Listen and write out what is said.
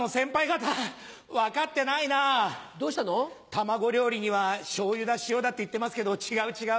卵料理にはしょうゆだ塩だって言ってますけど違う違う。